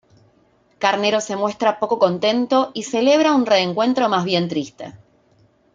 Carnero se muestra poco contento y se celebra un reencuentro más bien triste.